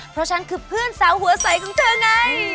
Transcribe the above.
เพราะฉันคือเพื่อนสาวหัวใสของเธอไง